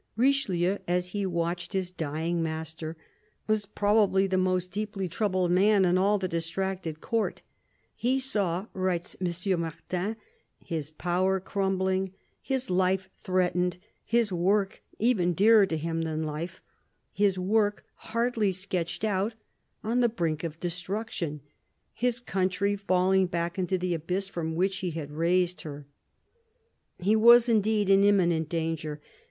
Richelieu, as he watched his dying master, was probably the most deeply troubled man in all the distracted Court. " He saw," writes M. Martin, " his power crumbling, his life threatened, his work, even dearer to him than life — his work, hardly sketched out, on the brink of destruction, his country falling back into the abyss from which he had raised her." He was indeed in imminent danger.